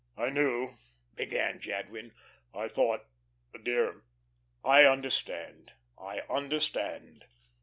"I knew " began Jadwin. "I thought Dear, I understand, I understand."